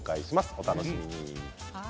お楽しみに。